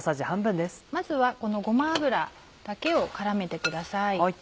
まずはこのごま油だけを絡めてください。